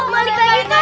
mau balik lagi kan